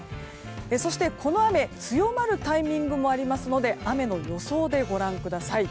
そして、この雨強まるタイミングもありますので雨の予想でご覧ください。